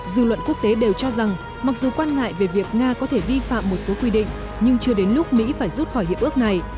dư luận quốc tế đều cho rằng mặc dù quan ngại về việc nga có thể vi phạm một số quy định nhưng chưa đến lúc mỹ phải rút khỏi hiệp ước này